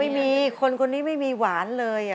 ไม่มีคนคนนี้ไม่มีหวานเลย